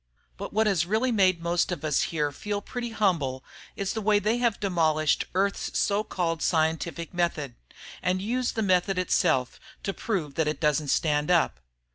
But what has really made most of us here feel pretty humble is the way they have demolished Earth's so called "scientific method" and used the method itself to prove that it doesn't stand up!